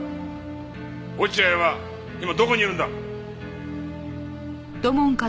落合は今どこにいるんだ？